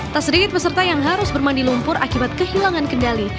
tak sedikit peserta yang harus bermandi lumpur akibat kehilangan kendali